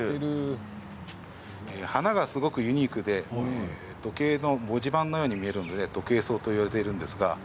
花がすごくユニークで時計の文字盤のように見えるのでトケイソウと呼ばれています。